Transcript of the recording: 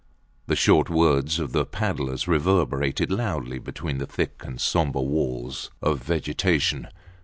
The short words of the paddlers reverberated loudly between the thick and sombre walls of vegetation.